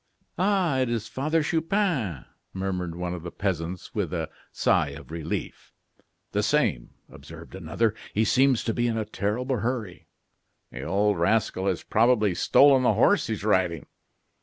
"Ah! it is Father Chupin," murmured one of the peasants with a sigh of relief. "The same," observed another. "He seems to be in a terrible hurry." "The old rascal has probably stolen the horse he is riding."